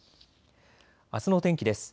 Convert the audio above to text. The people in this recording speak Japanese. あすの天気です。